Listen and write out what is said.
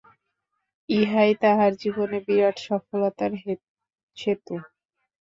ইহাই তাহার জীবনে বিরাট সফলতার হেতু।